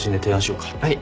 はい。